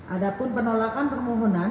adapun penolakan permohonan